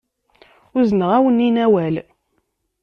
Uzneɣ-awen-in awal.